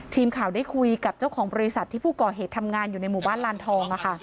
ทีมข่าวได้คุยกับเจ้าของบริษัทที่ผู้ก่อเหตุทำงานอยู่ในหมู่บ้านลานทอง